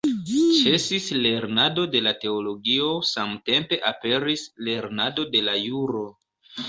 Ĉesis lernado de la teologio, samtempe aperis lernado de la juro.